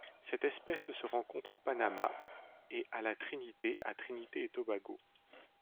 Cette espèce se rencontre au Panama et à La Trinité à Trinité-et-Tobago.